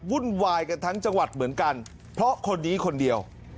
วุ่นวายกันทั้งจังหวัดเหมือนกันเพราะคนนี้คนเดียว